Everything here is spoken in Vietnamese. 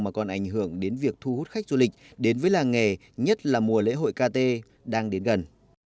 mà còn ảnh hưởng đến việc thu hút khách du lịch đến với làng nghề nhất là mùa lễ hội kt đang đến gần